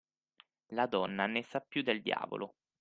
La donna ne sa più del diavolo.